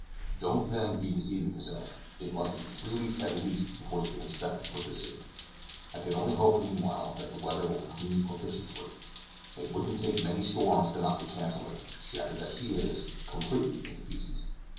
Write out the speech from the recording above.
Don't then, be deceiving yourself; it must be three weeks at least before you can expect to put out to sea. I can only hope meanwhile that the weather will continue propitious; it wouldn't take many storms to knock the Chancellor, shattered as she is, completely into pieces."